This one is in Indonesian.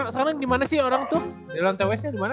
sekarang gimana sih orang tuh the launte westnya dimana